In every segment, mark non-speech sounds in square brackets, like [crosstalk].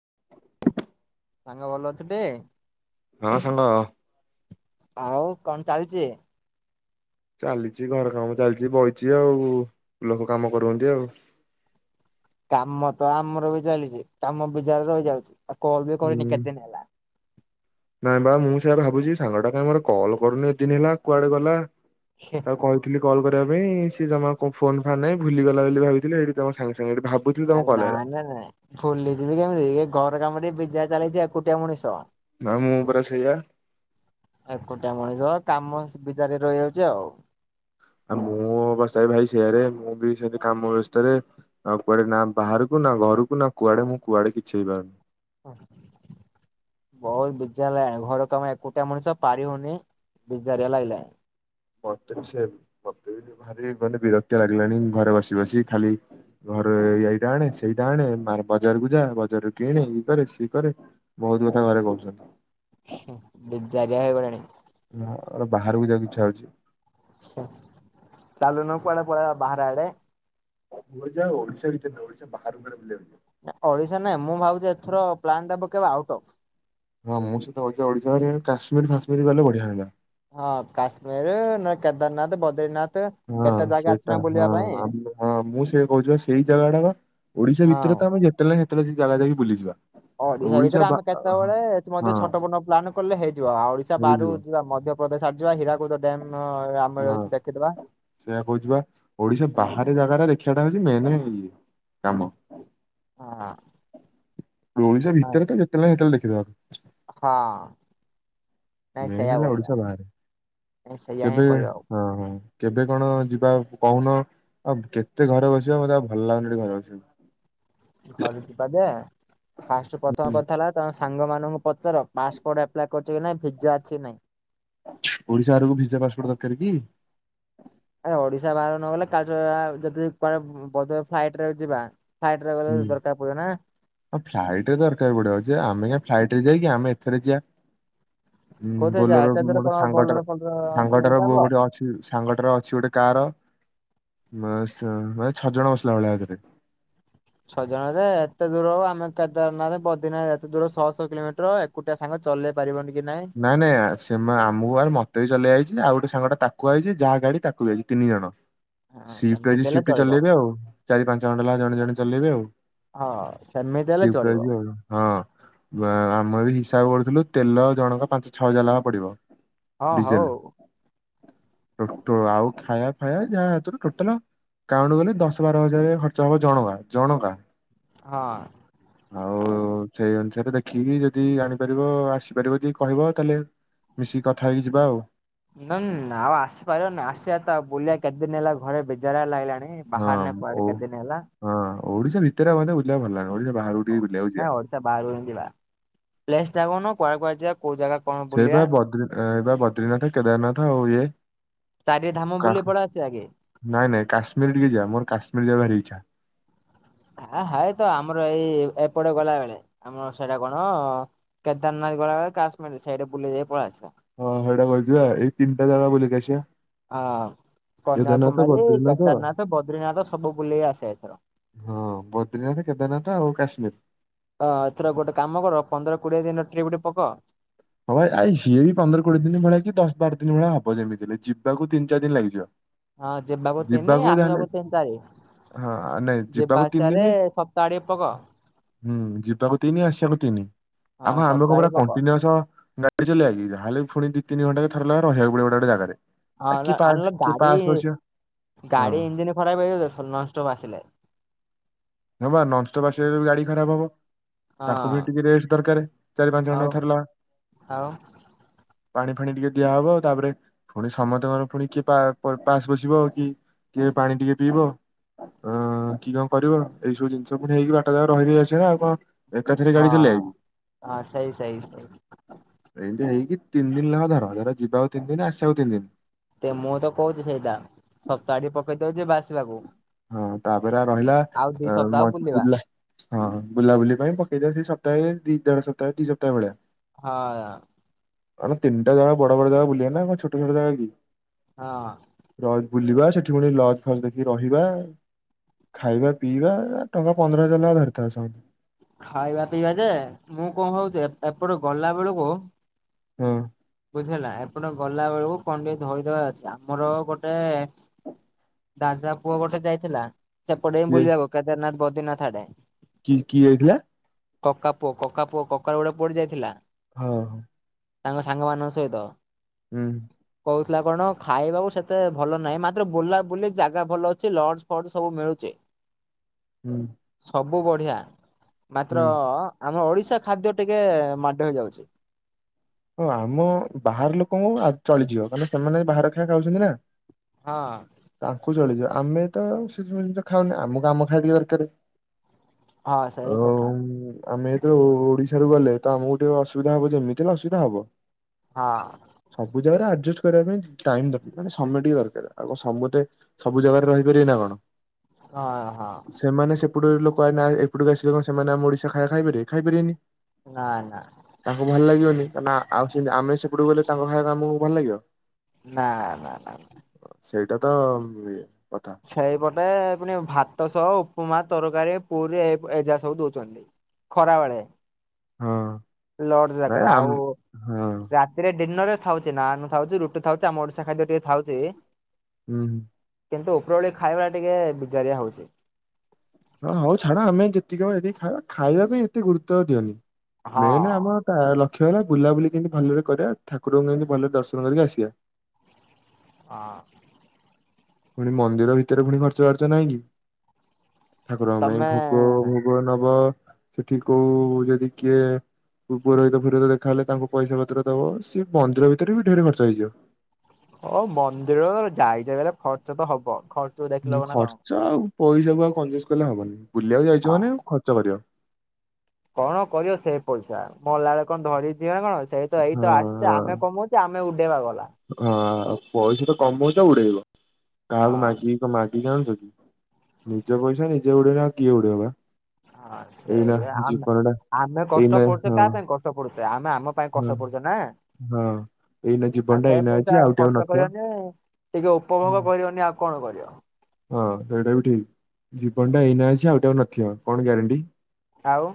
[inaudible] ସାଙ୍ଗ ଭଲ ଅଛୁଟି। ହଁ ସାଙ୍ଗ। ଆଉ କଣ ଚାଲିଛି? ଚାଲିଛି ଘର କାମ ଚାଲିଛି ବଇଚି ଆଉ ଲୋକ କାମ କରୁଚନ୍ତି ଆଉ। କାମ ତ ଆମର ବି ଚାଲିଚି କାମ [unintelligible] ରହି ଯାଉଛି ଆଉ କଲ୍ ବି ହୁଁ। କରିନି କେତେ ଦିନି ହେଲା। ନାଇଁ ବା ମୁଁ ସେଇଆ ଭାବୁଛି ସାଙ୍ଗଟା କାଇଁ ମୋର କଲ୍ କରୁନି ଏତେଦିନ୍ ହେଲା କୁଆଡ଼େ ଗଲା। ହୁଁ। ଆଉ କହିଥିଲି କଲ୍ କରିବା ପାଇଁ ସିଏ ଜମା ଫୋନ୍ ଫାନ୍ ନାହିଁ ଭୁଲିଗଲା ବୋଲି ଭାବିଥିଲେ ଏଇଠି ତମେ ସାଙ୍ଗେ ସାଙ୍ଗେ ଏଠି ଭାବୁ ଆରେ ନା ନା ନାଇଁ ଭୁଲିଯିବି କେମିତି ଘର କାମରେ [unintelligible] ଚାଲିଛି ଏକୁଟିଆ ମଣିଷ। ହଁ ମୁଁ ପରା ସେଇଆ। ଏକୁଟିଆ ମଣିଷ କାମ [unintelligible] ରହିଯାଉଛି ଆଉ। ଆଉ ମୋ ଅବସ୍ତା ରେ ଭାଇ ସେୟାରେ ମୁଁ ବି ସେମିତି କାମ ବ୍ୟସ୍ତରେ ଆଉ କୁଆଡ଼େ ନା ବାହାରକୁ ନା ଘରକୁ ନା କୁଆଡ଼େ ମୁଁ କୁଆଡ଼େ କିଛି ହେଇପାରୁନି। ହଁ। ବହୁତ୍ [unintelligible] ଲାଗିଲାଣି ଘର କାମ ଏକୁଟିଆ ମଣିଷ ପାରି ହଉନି [unintelligible] ଲାଗିଲାଣି। ମତେ ବି ସେ ମତେ ବି ଭାରି ମାନେ ବିରକ୍ତି ଲାଗିଲାଣି ଘରେ ବସି ବସି ଖାଲି ଘର ର ଏଇଟା ଆଣେ ସେଇଟା ଆଣେ [unintelligible] ବଜାର କୁ ଯାଆ ବଜାରରେ କିଣି ଇଏ କରେ ସିଏ କରେ। ବହୁତ୍ କଥା ଘରେ କହୁଛନ୍ତି। [unintelligible] ହେଇଗଲେଣି। ଆ ବାହାରକୁ ଯିବାକୁ ଇଚ୍ଛା ହଉଛି। ଚାଲୁନ କୁଆଡ଼େ ପଲେଇବା ବାହାର ଆଡେ। ଯିବା ଓଡ଼ିଶା ଭିତରେ ନୁହେଁ ଓଡ଼ିଶା ବାହାର କୁ କୁଆଡ଼େ ଯିବା। ଓଡ଼ିଶା ନାଇଁ ମୁଁ ଭାବୁଛି ଏଥର ପ୍ଲାନ୍ ଟା ପକେଇବା ଆଉଟ୍ ଅଫ୍। ହଁ ମୋ ସହିତ ଓଡ଼ିଶା ଓଡ଼ିଶାରେ କାଶ୍ମୀର ଫାଶ୍ମୀର ଗଲେ ବଢ଼ିଆ ହୁଅନ୍ତା। ହଁ କାଶ୍ମୀର ନହେଲେ କେଦାରନାଥ, ବଦ୍ରିନାଥ। ହଁ କେତେ ଜାଗା ଅଛି ସେଇଟା ନା ବୁଲିବା ହଁ ପାଇଁ ହଁ ମୁଁ ସେ କହୁଛି ସେଇ ଜାଗାଟା ଓଡ଼ିଶା ହଁ ଭିତରେ ତ ଆମେ ଯେତେଳେ ନାଇଁ ସେତେଳେ ସେ ଜାଗା ଯାଇକି ବୁଲିଯିବା। ଓଡ଼ିଶା ଓଡିଶା ଭିତରେ ବା ଆମେ କେତେବେଳେ ହଁ ମଧ୍ୟ ଛୋଟ ମୋଟ ପ୍ଲାନ୍ କଲେ ହେଇଯିବ ଆଉ ଓଡ଼ିଶା ବାହାରୁ ହେଇଯିବ ଯିବା ମଧ୍ୟ [unintelligible] ସାରିଯିବା ହୀରାକୁଦ ଡ୍ୟାମ୍ ହଁ ଆମର ଅଛି ଦେଖିଦବା ସେଇଆ କହୁଛି ବା ଓଡ଼ିଶା ହୁଁ, ବାହାରେ ଯା ଦେଖିବାଟା ହଉଛି ମେନ୍ କାମ। ହଁ ଓଡ଼ିଶା ହଁ ଭିତରେ ତ ଯେତେବେଳେ ନାଇଁ ସେତେବେଳେ ଦେଖିଦବ। ହଁ। ନାଇଁ ମେନେ ସେଇଆ ହେଲା କରିବା ଓଡ଼ିଶା ବାହାରେ ନାଇଁ ସେଇଆ ହିଁ କେବେ କରିବା ଆଉ ହଁ ହଁ। କେବେ କଣ ଯିବା କହୁନ ଆଉ କେତେ ଘରେ ବସିବା ମୋତେ ଆଉ ଭଲ ଲାଗୁନି ଏଠି ଘରେ ବସିବାକୁ। ଘରୁ ଯିବା ଯେ ଫାଷ୍ଟ୍ ପ୍ରଥମ କଥା ହେଲା ତ ସାଙ୍ଗ ମାନଙ୍କୁ ପଚାର ପାସପୋର୍ଟ ଆପ୍ଲାଏ କରିଛ କି ନାଇଁ ଭିଜା ଅଛି କି ନାଇଁ? ଓଡ଼ିଶା ବାହାରକୁ ଭିଜା ପାସପୋର୍ଟ ଦରକାର କି? ଆରେ ଓଡ଼ିଶା ବାହାରକୁ ନଗଲେ କା ଯଦି କୁଆଡ଼େ [unintelligible] ଫ୍ଲାଇଟ୍ ରେ ଯିବା। ଫ୍ଲାଇଟ୍ ଗଲେ ଦରକାର ପଡ଼ିବ ନା। ହଁ ଫ୍ଲାଇଟ୍ ରେ ଦରକାର ପଡ଼ିବ ଯେ ଆମେ କାଇଁ ଫ୍ଲାଇଟ୍ ରେ ଯିବାକି ଆମେ ଏଥିରେ ଯିବା। ଉଁ କୋଉଥିରେ ଯା ବୋଲର ଏତେ ଦୂର ମୋର କଣ ସାଙ୍ଗଟା ବୋଲେରୋ ର ଫୋଲେରୋ ସାଙ୍ଗଟା ର ସୁବିଧା ବୋ ହବ। ଗୋଟେ ଅଛି। ସାଙ୍ଗଟା ର ଅଛି ଗୋଟେ କାର ଅ ମାନେ ଛଅ ଜଣ ବସିଲା ଭଳିଆ ଏଥିରେ। ଛଅ ଜଣରେ ଏତେ ଦୂର ଆମେ କେଦାରନାଥ, ବଦ୍ରିନାଥ ଏତେ ଦୂର ଛହଶହ କିଲୋମିଟର [unintelligible] ସାଙ୍ଗ ଚଲେଇ ପାରିବନି କି ନାଇଁ। ନାଇଁ ନାଇଁ ସେ ଆମକୁ ମତେ ବି ଚଲେଇଆଇଛି ନା ଆଉ ଗୋଟେ ସାଙ୍ଗଟା ତାକୁ ଆଇଛି ଯାହା ଗାଡ଼ି ତାକୁ ବି ଆଇଛି ତିନି ଜଣ। ହଁ ସିପ୍ଟି ସେମିତି ବାଇ ହେଲେ ସିପ୍ଟି ଚଳିବ ଚଲେଇବେ ଆଉ ଚାରି ପାଞ୍ଚ ଘଣ୍ଟା ହେଲା ଜଣେ ଜଣେ ଚଲେଇବେ ଆଉ। ହଁ ସେମିତି ହେଲେ ସିଫ୍ଟ ୱାଇଜ ଚଳିବ। ଆଉ ହଁ ଆମେ ବି ହିସାବ କରୁଥିଲୁ ତେଲ ଜଣକା ପାଞ୍ଚ ଛଅ ହଜାର ଲେଖା ପଡିବ। ହଁ ହଉ। ଡିଜେଲ ଟୋ ଟୋ ଆଉ ଖାଇବା ଫାଇବା ଯାହା ହାତରୁ ଟୋଟାଲ କାଉଣ୍ଟୁ କଲେ ଦଶ ବାର ହଜାର ଖର୍ଚ୍ଚ ହବ ଜଣକା ଜଣକା। ହଁ। ଆଉ ସେଇ ଅନୁସାରେ ଦେଖିକି ଯଦି ଆଣିପାରିବ ଆସିପାରିବ। ଯଦି କହିବ ତାହେଲେ ମିଶିକି କଥା ହେଇକି ଯିବା ଆଉ। ନାଇ ଆଉ ଆସିପାରିବନି ଆସିବା ତ ଆଉ ବୁଲିବା କେତେ ଦିନ ହେଲା ଘରେ ବିଜାରିଆ ଲାଗିଲାଣି। ହଁ ବାହାରନେ କୁଆଡେ ଓ କେତେ ଦିନ ହେଲା ହଁ ଓଡିଶା ଭିତରେ ମୋତେ ବୁଲିବାକୁ ଭଲ ଲାଗିବନି ଓଡିଶା ବାହାରକୁ ଟିକେ ବୁଲିବାକୁ ନାଇଁ ଯିବା। ଓଡିଶା ବାହାରକୁ ହିଁ ଯିବା ପ୍ଲେସ ଟା କହୁନ କୁଆଡେ କୁୁଆଡେ ଯିବା କୋଉ ଜାଗା କଣ ସେଇ ବୁଲିବା? ବା ବଦ୍ରି ବଦ୍ରିନାଥ କେଦାରନାଥ ଆଉ ଇଏ। ତାରି ଧାମ କା ବୁଲି ପଳେଇ ଆସିବାକି? ନାଇଁ ନାଇ କାଶ୍ମିରୀ ଟିକେ ଯିବା ମୋର କାଶ୍ମିରୀ ଯିବା ଭାରି ଇଛା। ଆ ହଉ ତ ଆମର ଏଇ ଏପଟେ ଗଲା ବେଳେ। ଆମର ସେଇଟା କଣ କେଦାରନାଥ ଗଲାବେଳେ କାଶ୍ମୀର ସେଇଟା ବୁଲି ଦେଇକି ପଳେଇ ଆସିବା। ହଁ ହେଟା [unintelligible] ଯିବା ଏଇ ତିନିଟା ଜାଗା ବୁଲିକି ଆସିବା। ହଁ କେଦାରନାଥ କନ୍ୟାକୁମାରୀ ବଦ୍ରିନାଥ କେଦାରନାଥ ବଦ୍ରିନାଥ ସବୁ ବୁଲେଇ ଆସେ ଏଥର। ହଁ ବଦ୍ରିନାଥ କେଦାରନାଥ ଆଉ କାଶ୍ମୀର। ହଁ ଏଥର ଗୋଟେ କାମ କର ପନ୍ଦର କୋଡିଏ ଦିନର ଟ୍ରିପ୍ ଟିକେ ପକ। ହଁ ଭାଇ ଆ ସିଏ ବି ପନ୍ଦର କୋଡିଏ ଦିନ ଭଳିଆ କି ଦଶ ବାର ଦିନ ଭଳିଆ ହବ ଯେମିତି ହେଲେ ଯିବାକୁ ତିନି ଚାରି ଦିନି ଲାଗଯିବ। ହଁ ଯିବାକୁ ତିନି ଆସିବାକୁ ତିନି ଚାରି ହଁ ନାଇଁ ଯିବାକୁ ଯିବା ତିନି ଆସିବାରେ ଦିନି ତାଡ଼େ ପକ। ହୁଁ ଯିବାକୁ ତିନି ଆସିବାକୁ ତିନି ହଁ ଆଉ କଣ ଆମକୁ ସପ୍ତାହଟିଏ ପୁରା ପକ। କଣ୍ଟିନିଅସ ଗାଡି ଚଲେଇବାକି ଯାହାଲେ ବି ପୁଣି ଦି ତିନି ଘଣ୍ଟା ଥରେ ଲାଖେ ରହିବାକୁ ପଡିବ ଗୋଟେ ଗୋଟେ ଜାଗାରେ। ହଁ କିଏ ଆ ପାସ୍ ନହେଲେ କିଏ ଗାଡି ପାସ୍ ବସିବ ହଁ ଗାଡି ଇଞ୍ଜିିନ ଖରାପ ହେଇଯିବ ନନଷ୍ଟପ ଆସିଲେ। ହଁବା ନନଷ୍ଟପ୍ ଆସିବା ବି ଗାଡି ଖରାପ ହବ। ହଁ ତାଙ୍କୁ ବି ଟିକେ ରେଷ୍ଟ ଦରକାର ଚାରି ପାଞ୍ଚ ଆଉ ଘଣ୍ଟାକୁ ଥରେ ଲେଖା। ଆଉ ପାଣି ଫାଣି ଟିକେ ଦିଆହବ ତାପରେ ପୁଣି ସମସ୍ତଙ୍କର ପୁଣି କିଏ ପା ପାସ୍ ବସିବ କି କିଏ ପାଣି ଟିକେ ପିଇବ। ହଁ କି କଣ କରିବ ଏଇସବୁ ଜିନିଷକୁ ନେଇକି ବାଟ ଯାକ ରହିି ରହି ଆସିବା ନା ଆଉ କଣ। ଏକାଥରେ ଗାଡି ହଁ ଚଲେଇବାକି। ହଁ ସେଇ ସେଇ ସେଇ। ଏମିତି ହେଇକି ତିନି ଦିନି ଲେଖା ଧର ଧର ଯିବାକୁ ତିନି ଦିନି ଆସିବାକୁ ତିନି ଦିନି। ତ ମୁଁ ତ କହୁଛି ସେଇଟା ସପ୍ତାହ ଟେ ପକେଇ ଦିଅ ଜିବା ଆସିବାକୁ। ହଁ ତାପରେ ଆ ରହିଲା ସପ୍ତାହ ବୁଲିବା ମପୁରଲା। ହଁ ବୁଲାବୁଲି ପାଇଁ ପେଇଦ ସେ ସପ୍ତାହ ଦ ଦେଢ ସପ୍ତାହ ଦି ସପ୍ହେ ଭଳିଆ। ହଁ। ନେ ତିନଟା ବଡ ଯା ବୁଲିବ ନା କଣଛୋଟ ଛଟ ଜାଗା କି? ହଁ। ରଜ ବୁଲିବା ସେଠି ପୁଣି ଲଜ ଫ ଦେଖ କି ରହିବା ଖାଇବା ପିଇବା ଟଙ୍କା ପନ୍ଦର ହଜାର ଟଙ୍କା ଧରିଥାଏ ସମସ୍ତେ। ଖାଇବା ପିଇବା ଯେ ମୁଁ କଣ ହଉଛି ଏପଟୁ ଗଲା ବେଳକୁ ହଁ। ବୁଝି ହେଲା ଏପଟ ଗଲା ବେଳକୁ କଣ ଟିକେ ଧରିଦବା ଅଛି ଆମର ଗୋଟେ ଦାଦା ପୁଅ ଗୋଟେ ଯାଇଥିଲା ସେପଟେ ବି କିଏ ବୁଲିିବାକୁ କେଦାରନାଥ ବୌଦ୍ରିନାଥ ଆଡେ କି କିଏ ଯାଇଥିଲା? କକା ପୁଅ କକା ପୁଅ କକା ଗୋଟେ ପଡିଯାଇଥିଲା। ହଁ ହଁ ସାଙ୍ଗମାନଙ୍କ ସହିତ। ହୁଁ। କହୁଥିଲା କଣ ଖାଇବାକୁ ସେତେ ଭଲ ନାହିଁ ମାତ୍ର ବୁଲା ବୁଲି ଜାଗା ଭଲ ଅଛି ଲ ଜ ଫଜ ସବୁ ମିଳୁଚି। ହୁଁ। ସବୁ ବଢିଆ ମାତ୍ର ହୁଁ। ଆମ ଓଡିଶା ଖାଦ୍ୟ ଟିକେ ମାଡ ହେଇଯାଉଛି। ହଁ ଆମ ବାହାର ଲୋକଙ୍କୁ ଆ ଚଳିଯିବ କାରଣ ସେମାନେ ବାହାର ଖାଇବା ଖାଉଚନ୍ତି ନା। ହଁ। ତାଙ୍କୁ ଚଳିଯିବ ଆମେ ତ ସେସବୁ ଜିନିଷ ଖାଉନେ ଆମକୁ ଆମ ଖାଇଆ ଟିକେ ଦରକାର। ହଁ ସେଇ ଆଉ କଥା ଆମେ ଏଥିରୁ ଓଡିଶାରୁ ଗଲେ ତ ଆମକୁ ଟିକେ ଅସୁବିଧା ହବ ଯେମିତି ହେଲେ ଅ ସୁବିଧା ହବ। ହଁ। ସବୁ ଜାଗାରେ ଆଡଜଷ୍ଟ କରିବା ପାଇଁ ଟାଇମ ଦର ମାନେ ସମୟ ଟିକେ ଦରକାର ଆ ସମସ୍ତେ ସବୁ ଜାଗାରେ ରହିପାରିବେ ନା କଣ? ହଁ ହଁ। ସେମାନେ ସେପଟ ଲୋକ ଏନା ଏପଟକୁ ଆସିଲେ କଣ ସେମାନେ ଆମ ଓଡିଶା ଖାଇବା ଖାଇପାରିବେ ଖାଇପାରେନି। ନାଁ ନା। ତାଙ୍କୁ ଭଲ ଲାଗିବନି କାରଁନା ଆଉ ସେତି ଆମେ ସେପଟକୁ ଗଲେ ତାଙ୍କ ଖାଇ କମକୁ ଭଲ ଲାଗିବ। ନା ନା ନା ନା। ସେଇଟା ତ କଥା। ସେଇପଟେ ପୁଣି ଭାତ ସହ ଉପମା ତରକାରୀ ପୁରୀ ଏ ପ ଏଯାଏ ସବୁ ଦଉଚନ୍ତି। ଖରା ବେଳେ ହଁ ଲଡ ନାଇଁ ଯାକରା ଆମ ଆଉ ହଁ ରା ତିରେ ଡିନର ଥାଉଚି ନାନ ଥାଉଚି ରୁଟି ଥାଉଚି ଆମ ଓଡିଶା ଖାଦ୍ୟ ଟିକେ ଥାଉଚି। ହୁଁ। କିନ୍ତୁ ଉପରଓଳି ଖାଇବା ଟିକେ ବିଜାରିଆ ହଉଚି। ହଁ ହଉ ଛାଡା ଆମେ ଯେତିକିହବ ହେତିକି ଖାଇବା ଖାଇବା ପାଇଁ ଏତେ ଗୁରୁତ୍ବ ଦିଅନି। ହଁ ମେନ ଆମ ତା ଲକ୍ଷ୍ୟ ହେଲା ବୁଲାବୁଲି କେମିତି ଭଲରେ କରିବା ଠାକୁରଙ୍କୁ କେମିତି ଭଲରେ ଦର୍ଶନ କରିକି ଆସିବା। ହଁ। ପୁଣି ମନ୍ଦିର ଭିତରେ ପୁଣି ଖର୍ଚ୍ଚ ବାର୍ଚ୍ଚ ନହିଁ କି? ଠାକୁରଙ୍କ ପାଇଁ ତମେ ଭୋଗ ଭୋ ଗ ନବ ସେଠି କୋଉ ଯଦି କିଏ କୋଉ ପୁରୋହିତ ଫୁରୋହିଦ ଦେଖା ହେଲେ ତାଙ୍କୁ ପଇସା ପତ୍ର ଦବ ସିଏ ମନ୍ଦିର ଭିତରେ ବି ଢେର ଖର୍ଚ୍ଚ ହେଇଯିବ। ଓ ମନ୍ଦିର ଯାଇଚ ବେଇଲେ ଖର୍ଚ୍ଚ ତ ହବ ଖ ହୁଁ ଖର୍ଚ୍ଚ ଆଉ ପଇସା କ ଆଉ କନଜୁସ କଲେ ହବନି ବୁଲିବାକୁ ଯାଇଚ ହଁ। ମାନେ ଖର୍ଚ୍ଚ କରିବ। କଣ କରିବ ସେଇ ପଇସା? ମଲା ବେଳେ କଣ ଧରିକି ଜିଅ ନା କଣ ସେଇ ତ ଏଇତ ହଁ ଆସିଚେ ହଁ ଆମେ କମଉଚେ ଆମେ ଉଡେଇବା ଗଲା। ହଁ ପଇସା ତ କମଉଚ ଉଡେଇବ କାହାକୁ ହଁ ମାଗି ତ ମାଗିକି ଆଣୁଚ କି ନିଜ ପଇସା ନିଜେ ଉଡେଇନି ଆଉ କିଏ ଉଡେଇବ ବା। ହଁ ଏଇନା ସେଇ ଆମେ ଜୀବନ ଟା ଆମେ କଷ୍ଟ ଏଇନା ପଡୁଚେ ହଁ। [unintelligible] ଆମେ ଆମ ପାଇଁ ହଁ କଷ୍ଟ କରୁଚେ ନା ହଁ ଏଇନା ଆଉ ଜୀବନଟା ସେ ଏଇନା ଅଛି ପଇସା ଆଉ ଟିକେ ଆଉ ଖର୍ଚ୍ଚ ନଥିବ। କରିବନି ଟିକେ ଉପଭୋଗ କରିବନି ଆଉ କଣ କରିବ? ହଁ ସେଇଟା ବି ଠିକ ଜୀବନଟା ଏଇନା ଅଛି ଆଉଟିକେକୁ ନଥିବ କଣ ଗ୍ୟାରେଣ୍ଟି। ଆଉ।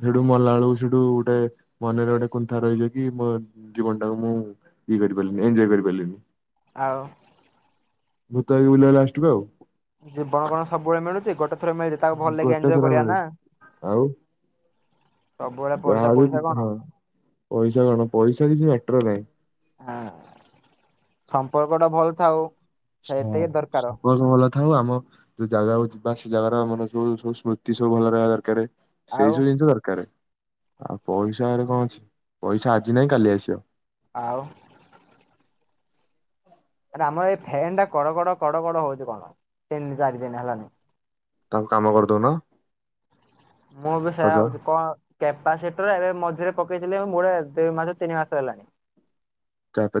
ସେଠୁ ମଲାଳୁ ସେଠୁ ଗୋଟେ ମନରେ ଗୋଟେ କୁନ୍ଥା ରହିଯିବ କି ମୋ ଜୀବନଟାକୁ ମୁଁ ଇଏ କରିପାରିଲିନି ଏନଜୟ କରିପାରିଲିନି। ଆଉ। ଭୂତ ହେଇକି ବୁଲିବ ଲାଷ୍ଟକୁ ଆଉ। ଜୀବନ କଣ ସବୁବେଳେ ମିଳୁଚି ଗୋଟେ ଥର ମିଳିଚି ତାକୁ ଭଲକି ଗୋଟେ ଏନଜୟ ଥର କରିବା ମିଳେ ନା। ସବୁବେଳେ ଯା ପଇସା ପଇସା ହେଲେବି କଣ ହଁ ପଇସା କଣ ପଇସା କିଛି ମ୍ୟାଟର ନାହିଁ। ହଁ ସମ୍ପର୍କ ଟା ଭଲ ଥାଉ। ହଁ ସେତିକି ଦରକାର ସମ୍ପର୍କ ଭଲ କଥା ହଉ ଆମ ଯୋଉ ଜାଗା ହଉଛିି ବା ସେ ଜାଗାର ମାନ ସୁ ସବୁ ସ୍ମୃତି ସବୁ ଭଲ ରହିବା ଦରକାର। ଆଉ ସେଇ ସବୁ ଜିନିଷ ଦରକାର ଆଉ ପଇସାରେ କଣ ଅଛି ପଇସା ଆଜି ନାହିଁ କାଲି ଆସିବ। ଆଉ। ଆରେ ଆମର ଏଇ ଫେନଟା କଡ କଡ କଡ କଡ ହଉଚି କଣ ତିନି ଚାରି ଦିନ ହେଲାନେ। ତାଙ୍କୁ କାମ କରିଦଉନ। ମୁଁ ବି ସେୟା ସଜ ଭାବୁଚି କଣ କେପାସିଟର ଏବେ ମଝିରେ ପକେଇଥିଲି ମୁଳେ ଦୁଇ ମାସ ତିନି ମାସ ହେଲାଣି।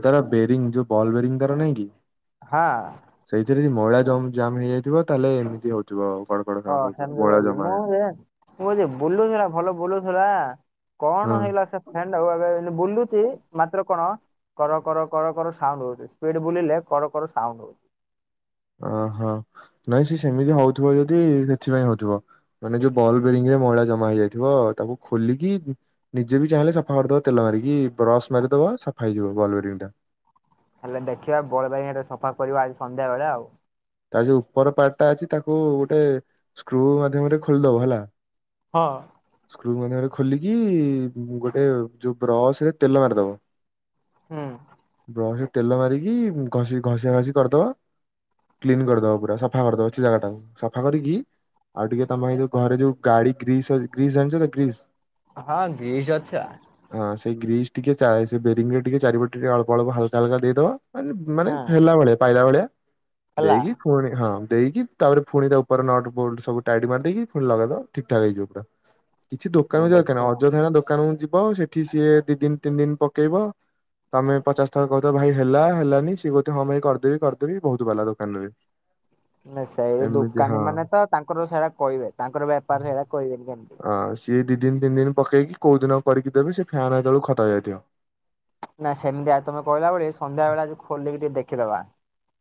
ତାର ବେରିଂ ଯୋଉ ବଲ୍ ବେରିଙ୍ଗ ତାର ନାହିଁ କି? ହ ଅ। ସେଇଥିରେ ଯଦି ମଇଳା ଜମ ଜାମ୍ ହେଇଯାଇଥିବ ତାହେଲେ ଏମିତି ହଉଥିବ କଡ କଡ ହଁ ସାଉଣ୍ଡ ହଉଥିବ ସେମିତି ମଇଳା କହିଲି ଜମା ମୁଁ ହେଇ ଯେ ମୁଁ କଉଛି ବୁଲୁଥିଲା ଭଲ ବୁଲୁଥିଲା କଣ ହଁ ହେଇଗଲା ସେ ହେଲୋ ଏବେ ବୁଲୁଛି ମାତ୍ର କଣ କର କର କର କର ସାଉଣ୍ଡ ହଉଛି ସ୍ପିଡ ବୁଲିଲେ କର କର ସାଉଣ୍ଡ ହଉଛି। ଓହୋ ନାଇଁ ସିଏ ସେମିତି ହଉଥିବ ଯଦି ସେଥିପାଇଁ ହଉଥିବ ମାନେ ଯୋଉ ହୁଁ ବଲ ବେରିଙ୍ଗରା ମଇଳା ଜମା ହେଇଯାଇଥିବ ତାକୁ ଖୋଲିକି ନିଜେ ବି ଚାହିଁଲେ ସଫା କରିଦବ ତେଲ ମାରିକି ବ୍ରସ ମାରିଦବ ସଫା ହେଇଯିବ ବଲ୍ ବେରିଙ୍ଗଟା। ହେଲେ ଦେଖିବା ବଲ ବେରିଙ୍ଗରା ସଫା କରିବା ଆଜି ସନ୍ଧ୍ୟା ବେଳେ ଆଉ। ତାର ଯୋଉ ଉପର ପାର୍ଟଟା ଅଛି ତାକୁ ଗୋଟେ ସ୍କ୍ରୁ ମାଧ୍ୟମରେ ଖୋଲିଦବ ହେଲା। ହଁ। ସ୍କୃ ମଧ୍ୟରେ ଖୋଲିକି ଗୋଟେ ଯୋଉ ବ୍ରସ ରେ ତେଲ ମାରିଦବ। ହୁଁ। ବ୍ରସରେ ତେଲ ମାରିକି ଘଷି ଘସିମାଜି କରିଦବ। କ୍ଲିନ କରିଦବ ପୁରା ସଫା କରିଦବ ଅଛି ଜାଗା ଟାକୁ ସଫା କରିକି ଆଉ ଟିକେ ତମ ଏଇ ଯୋଉ ଘରେ ଯୋଉ ଗାଡି ଗ୍ରୀସ ଗ୍ରୀସ୍ ଜାଣିଛ ନା ଗ୍ରୀସ୍ ହଁ ଗ୍ରୀଷ ଅଛି ବା। ହଁ ସେଇ ଗ୍ରୀସ୍ ଟିକେ ଚା ସେ ବେରିଙ୍ଗରେ ଟିକେ ଚାରିପଟେ ଟିକେ ଟିକେ ଅ୍ପ ଅଳ୍ପ ହାଲକା ହାଲକା ଦେଇଦବ। ମାନେ ମାନେ ହଁ ହେଲା ଭଳିଆ ପାଇଲା ଭଳିଆ ହେଲା ଦେଇକି ପୁଣି ହଁ ଦେଇକି ତାପରେ ଫୁଣି ତା ଉପରେ ନଟ ବୋଲ୍ଡ଼ ସବୁ ଟାଇଟ ମାରି ଦେଇକି ଫୁଣି ଲଗେଇଦବ ଠିକ ଠାକ ହେଇଯିବ ପୁରା। କିଛି ଦୋକାନକୁ ଜିବା ଦରକାର ନାହିଁ ଦେଖିବା। ଅଯଥାରେ ଦୋକାନକୁ ଯିବ ସେ ସେଠି ସିଏ ଦିଦିନ ତିନି ଦିନ ପକେଇବ। ତମେ ପଚାଶ ଥର କହୁଥବ ଭାଇ ହେଲା ହେଲାନି ସିଏ କହୁଥିବ ହଁ ଭାଇ କରିଦେବି କରିଦେବି ବହୁତ ପାଲା ଦଉ କ [inaudible] ନା ସେଇ ଦୋକାନୀ ମାନେ ତ ତାଙ୍କର ସେଇଟା କହିବେ ତାଙ୍କର ବେପାର ସେଇଟା କହିବେନି କେମିତି। ଅ ସିଏ ଦିଦିନି ତିନି ଦିନି ପକେଇକି କଉ ଦିନ କରିକି ଦେବେ ସେ ଫ୍ୟାନ୍ ହେତେବେଳକୁ ଖତ ହେଇ ଯାଇଥିବ। ନା ସେମିତି ଆଉ ତମେ କହିଲା ବଳି ସନ୍ଧ୍ୟା ବେଳେ ଆଜି ଖୋଲିକି ଟିକେ ଦେଖିଦବା।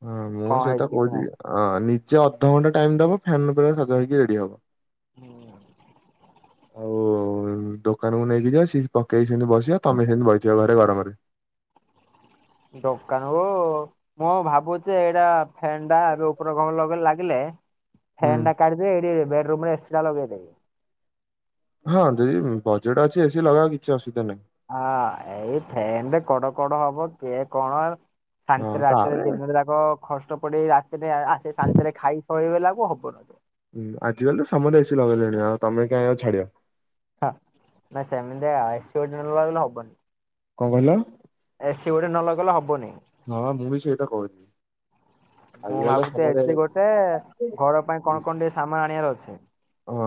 ହଁ ମୁଁ କଣ ହେଇଛି ସେଟା କିଛି କହୁଛି ନାହିଁ। ଅଁ ନିଜେ ଅଧଘଣ୍ଟା ଟାଇମ ଦବ ଫ୍ୟାନ୍ ପୁରା ସଜ ହେଇକି ରେଡି ହବ। ହୁଁ। ଆଉ ଦୋକାନକୁ ନେଇକି ଯଆ ସେ ପକେଇକି ସେମତି ବସିବ ତମେ ସେମିତି ବଇଥିବ ଘରେ ଗରମରେ। ଦୋକାନକୁ ମୁଁ ଭାବୁଛି ଏଇଟା ଫେନଟା ଏବେ ଉପର କମରେ ଲଗଇଲେ ଲାଗ ଲେ ହୁଁ ଫେନଟା କାଢିଦେ ଏଠି ବେଡରୁମରେ ଏସିଟା ଲଗେଇଦେ। ହଁ ଜଦି ବଜେଟ୍ ଅଛି ଏସିି ଲଗା କିଛି ଅସୁବିଧା ନାହିଁ। ହଁ ଏଇ ଫେନ୍ ରେ କଡ କଡ ହବ କିଏ କଣ ଶାନ୍ତି ହଁ ରାତିରେ ତାପରେ ଦିନରେ ଖଷ୍ଟ ପଡି ରାତିରେ ଆସି ସାନ୍ତିରେ ଖାଇ ଶୋଇଗଲାବେଳକୁ ହବନି ହୁଁ ଆଜିିକାଲି ତ ସମତେ ଏସି ଲଗେଇଲେଣି ଆଉ ତମେ କାଇଁ ଆଉ ଛାଡିବ। ହଁ ନାଇଁ ସେମିତିଆ ଏସି ଗୋଟେ ନଲଗେଇଲେ ହବନି। କଣ କହିଲ? ଏସିି ଗୋଟେ ନ ଲଗେଇଲେ ହବନି। ଘର ମୁଁ ବି ସେଇଟା କହୁଚି। ମୁଁ ଭାବୁଛି ଏସିି ଗୋଟେ ଘର ପାଇଁ କଣ କଣ ଟିକେ ସାମାନ ଆଣିବାର ଅଛି। ହଁ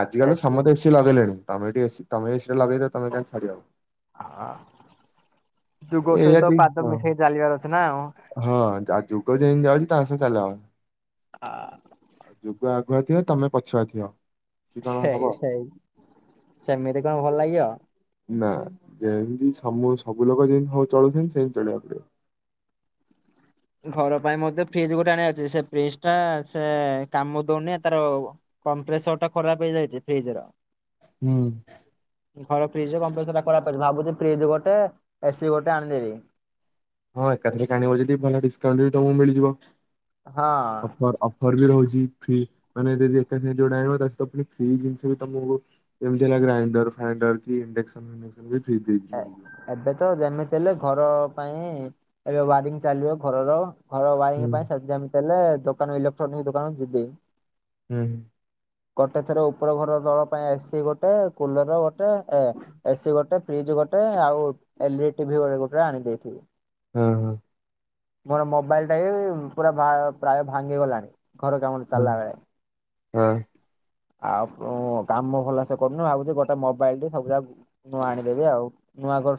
ଆଜିକାଲି ତ ଏସି ସମସ୍ତେ ଏ ସି ଲଗେଇଲେଣି ତମେ ଟିକେ ଏ ସି ତମେ ଏ ସି ଟେ ଲଗେଇ ଦିଅ ତମେ କାଇଁ ଛାଡିବ। ହ ଯୁଗ ଏଇଆ ସହିତ ଟିକେ ପାଦ ହଁ ମିଶେଇକି ଚାଲିବାର ଅଛି ନା ଆଉ। ହଁ ଯୁଗ ଯେମତି ଯାଉଚି ତା ସହ ଚାଲ। ଆ ଯୁଗ ଆଗୁଆ ଥିବ ତମେ ପଛୁଆ ଥିବ। କି କଣ ହବ ସେଇ ସେଇ ସେମିତି କଁ ଭଲ ଲାଗିବ। ନା ଯେମିତି ସମୁ ସବୁ ଲୋକ ଯେମତି ହଉ ଚଳୁଛନ୍ତି ସେମିତି ଚଳିବାକୁ ପଡିବ। ଘର ପାଇଁ ମଧ୍ୟ ଫ୍ରିଜ ଗୋଟେ ଆଣିଆର ଅଛି, ସେ ଫ୍ରିଜଟା ସେ କାମ ଦଉନି ଆ ତାର କମ୍ପ୍ରେସରଟା ଖରାପ ହେଇଯାଇଚି ଫ୍ରିଜର। ହୁଁ। ଘର ଫ୍ରିଜର କମ୍ପ୍ରେସରଟା ଖରାପ ହେଇଚି, ଭାବୁଚି ଫ୍ରିଜ୍ ଗୋଟେ, ଏ ସି ଗୋଟେ ଆଣି ଦେଇଦେବି। ହଁ ଏକାଥରକେ ଆଣିବ ଯଦି ଭଲ ଡିସକାଉଣ୍ଟ ବି ତମକୁ ମିଳିଯିବ, ହଁ ଅଫର୍ ଅ ଫର୍ ବି ରହୁଚି ଫ୍ରି, ମାନେ ଯଦି ଏକା ସାଙ୍ଗରେ ଯୋଉଁଟା ଆଣିବ ତା ସହିତ ପୁଣି ଫ୍ରି ଜିନିଷ ବି ତମକୁ ଯେମତି ହେଲା ଗ୍ରାଇଣ୍ଡର ଫ୍ରାଇଣ୍ଡର କି ଇଣ୍ଡେକ୍ସନ ଫିଣ୍ଡେକ୍ସନ ବି ଫ୍ରି [unintelligible] ଏ- ମିଳିଯିବ। ଏବେ ତ ଯେମିତି ହେଲେ ଘର ପାଇଁ ଏବେ ୱାରିଂ ଚାଲିବ ଘରର। ଘର ହୁଁ ୱାରିଂ ପାଇଁ ସରଞ୍ଜାମ ହେଲେ ଦୋକାନ ଇଲେକ୍ଟ୍ରୋନିକ ଦୋକାନ ଯିବି। ହୁଁ। ଗୋଟେ ଥର ଉପର ଘର ତଳ ପାଇଁ ଏ ସିି ଗୋଟେ, କୁଲର ଗୋଟେ ଏ। ଏ ସିି ଗୋଟେ ଫ୍ରିଜ ଗୋଟେ ଆଉ L E D T V ଗୋ ଗୋଟେ ଆଣି ଦେଇଥିବି। ହଁ ହଁ। ମୋର ମୋବାଇଲଟା ବି ପୁରା ପ୍ରାୟ ପ୍ରାୟ ଭାଙ୍ଗି ଗଲାଣି। ଘର କାମ ହଁ ଚାଲିଲା ବେଳେ। ହଁ। ଆଉ ତ କାମ ଭଲ ସେ କରୁନୁ, ଭାବୁଚି ଗୋଟେ ମୋବାଇଲଟେ ସବୁଯାକ ନୂଆ ଆଣିଦେବି ଆଉ, ନୂଆ [unintelligible]